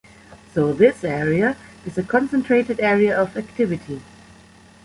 So this area is a concentrated area of activity.